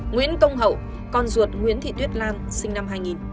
nguyễn công hậu con ruột nguyễn thị tuyết lan sinh năm hai nghìn